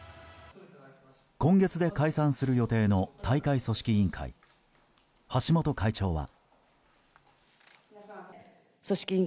今月で解散する予定の大会組織委員会、橋本会長は。